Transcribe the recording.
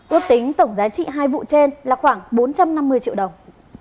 ước tính tổng giá trị hai vụ trên là khoảng bốn trăm năm mươi triệu đồng